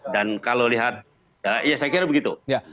dan kalau lihat ya saya kira begitu